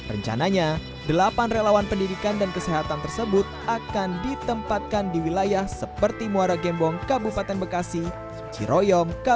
rencananya delapan relawan pendidikan dan kesehatan tersebut akan ditempatkan di wilayah seperti muara